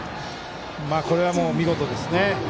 これは見事ですね。